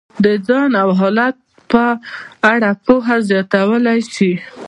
د ځان او حالت په اړه پوهه زیاتولی شي.